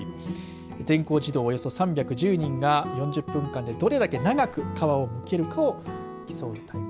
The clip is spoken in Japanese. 全校児童およそ３１０人が４０分間でどれだけ長く皮をむけるかを競う大会。